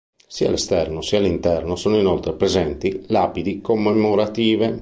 Sia all'esterno sia all'interno sono inoltre presenti lapidi commemorative.